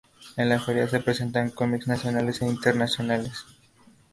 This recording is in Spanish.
En la feria se presentan comics nacionales e internacionales.